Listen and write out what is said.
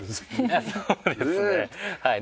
そうですねはい。